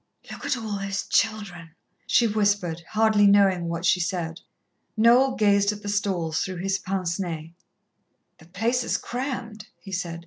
"Look at all those children!" she whispered, hardly knowing what she said. Noel gazed at the stalls through his pince nez. "The place is crammed," he said.